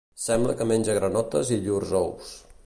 Sembla que menja granotes i llurs ous.